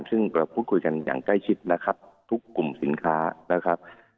ซึ่งพูดคุยกันอย่างใกล้ชิดทุกกลุ่มสินค้า